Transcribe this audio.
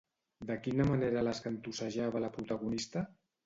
De quina manera les cantussejava la protagonista?